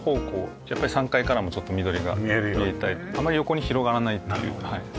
やっぱり３階からもちょっと緑が見えてあまり横に広がらないっていうそういう観点で。